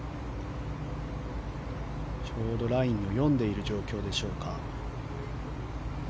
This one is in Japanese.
ちょうどラインを読んでいる状況でしょうか。